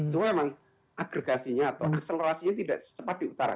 cuma memang agregasinya atau akselerasinya tidak secepat di utara